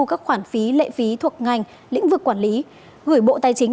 nếu được chấp thu các khoản phí lệ phí thuộc ngành lĩnh vực quản lý gửi bộ tài chính